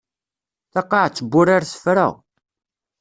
Taqaɛet n wurar tefra.